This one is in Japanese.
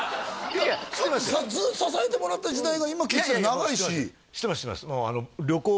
いやだってさずっと支えてもらった時代が今聞いてたら長いししてますしてます